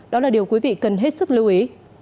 đó là điều quý vị cần hết sức lưu ý